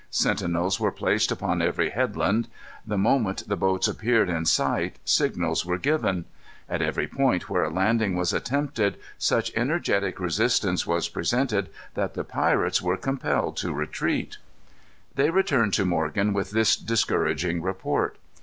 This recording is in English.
Sentinels were placed upon every headland. The moment the boats appeared in sight, signals were given. At every point where a landing was attempted such energetic resistance was presented, that the pirates were compelled to retreat. They returned to Morgan with this discouraging report.